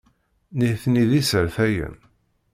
Nitni d isertayen.